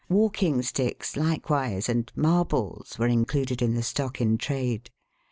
Walking sticks, likewise, and marbles, were included in the stock in trade.